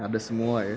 ada semua ya